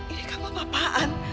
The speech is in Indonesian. ini kamu apaan